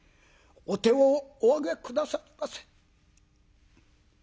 お手をお上げ下さりませ。